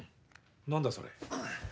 何だそれ。